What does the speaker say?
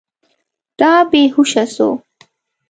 دا بې هوشه سو.